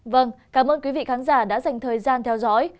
vâng cảm ơn quý vị khán giả đã dành thời gian theo dõi